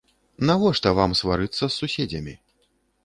Навошта вам сварыцца з суседзямі.